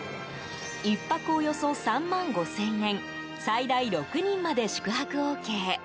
１泊およそ３万５０００円最大６人まで宿泊ＯＫ。